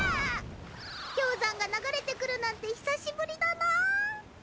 氷山が流れてくるなんて久しぶりだな。